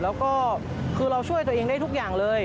แล้วก็คือเราช่วยตัวเองได้ทุกอย่างเลย